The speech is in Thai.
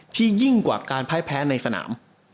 ยิ่งกว่าการพ่ายแพ้ในสนาม